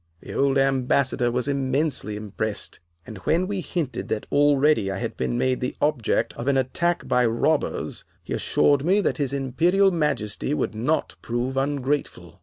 The old Ambassador was immensely impressed, and when we hinted that already I had been made the object of an attack by robbers, he assured us that his Imperial Majesty would not prove ungrateful.